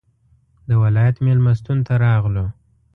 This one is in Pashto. د ولایت مېلمستون ته راغلو.